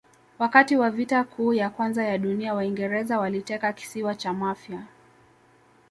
wakati wa vita kuu ya kwanza ya dunia waingereza waliteka kisiwa cha mafia